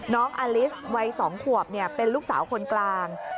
น้องอลิสวัย๒ขวบเป็นลูกสาวคนกลาง